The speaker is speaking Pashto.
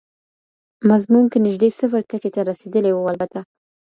مضمون کي نږدې صفر کچي ته رسيدلي وو؛ البته